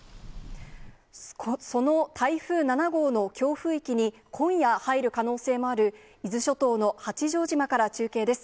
その台風７号の強風域に今夜、入る可能性もある伊豆諸島の八丈島から中継です。